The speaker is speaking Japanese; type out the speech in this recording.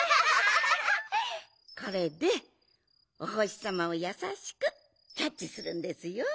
これでおほしさまをやさしくキャッチするんですよ。